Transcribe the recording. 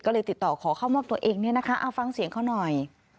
ก็เลยติดต่อขอเข้ามอบตัวเองเนี่ยนะคะเอาฟังเสียงเขาหน่อย